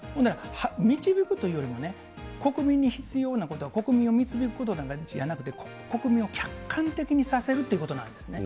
導くというよりも、国民に必要なことは、国民を導くことじゃなくて、国民を客観的にさせるということなんですね。